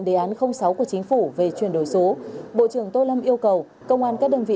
đề án sáu của chính phủ về chuyển đổi số bộ trưởng tô lâm yêu cầu công an các đơn vị